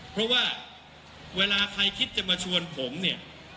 เพราะว่าเวลาใครคิดจะมาชวนผมเนี่ย